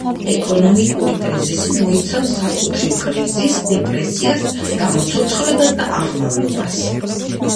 ეკონომიკური კრიზისი მოიცავს საკუთრივ კრიზისს, დეპრესიას, გამოცოცხლებას და აღმავლობას.